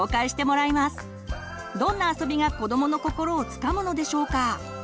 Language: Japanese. どんなあそびが子どもの心をつかむのでしょうか？